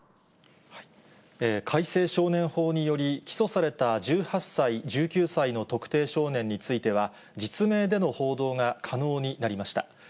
改正少年法により、起訴された１８歳、１９歳の特定少年については、実名での報道が可能になりました。